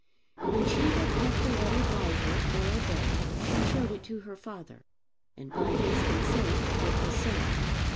When she had kept the letter by her for a day she showed it to her father, and by his consent it was sent.